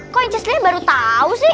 kok incesly baru tahu sih